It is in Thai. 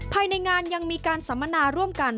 ภายในงานยังมีการสัมมนาร่วมกัน